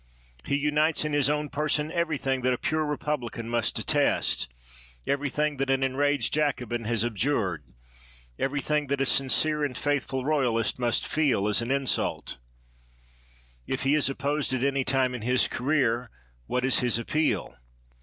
He unites in his own person everything that a pure republican must detest; everything that an enraged Jacobin has abjured ; everything that a sincere and faith ful royalist must feel as an insult. If he is opposed at any time in his career, what is his appeal?